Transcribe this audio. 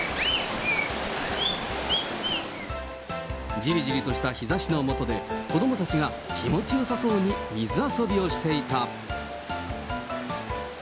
じりじりとした日ざしの下で、子どもたちが気持ちよさそうに水遊びをしていた。